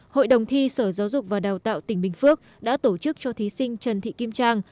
hội đồng thi sở giáo dục và đào tạo tỉnh bình phước đã tổ chức cho thí sinh trần thị kim trang